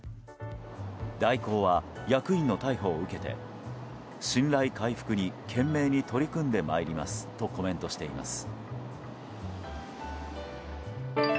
大広は役員の逮捕を受けて信頼回復に懸命に取り組んでまいりますとコメントしています。